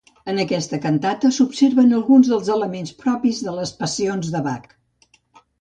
En aquesta cantata s'observen alguns dels elements propis de les passions de Bach.